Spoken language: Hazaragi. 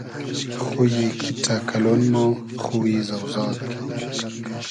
خویی کیݖݖۂ کئلۉن مۉ خویی زۆزاد